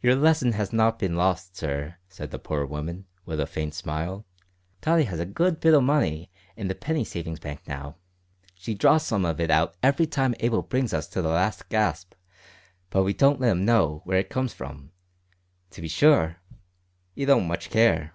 "Your lesson has not been lost, sir," said the poor woman, with a faint smile; "Tottie has a good bit o' money in the penny savings bank now. She draws some of it out every time Abel brings us to the last gasp, but we don't let 'im know w'ere it comes from. To be sure, 'e don't much care.